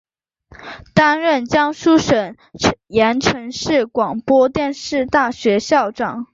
担任江苏省盐城市广播电视大学校长。